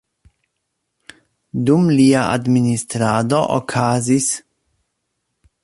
Dum lia administrado okazis;